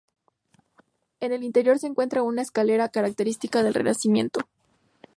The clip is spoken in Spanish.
En el interior se encuentra una escalera característica del Renacimiento.